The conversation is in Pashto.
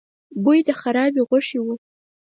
بوی د خرابې غوښې و.